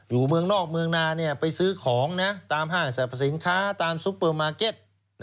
อยู่เมืองนอกเมืองนาไปซื้อของตามห้างสรรพสินค้าตามซุปเปอร์มาร์เก็ต